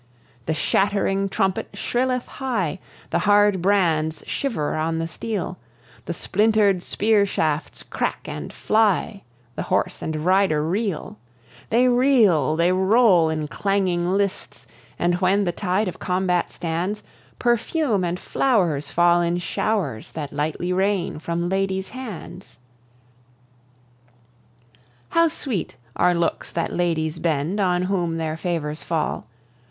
The shattering trumpet shrilleth high, The hard brands shiver on the steel, The splintered spear shafts crack and fly, The horse and rider reel: They reel, they roll in clanging lists, And when the tide of combat stands, Perfume and flowers fall in showers, That lightly rain from ladies' hands. How sweet are looks that ladies bend On whom their favours fall!